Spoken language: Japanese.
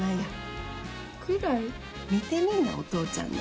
見てみいなお父ちゃんら。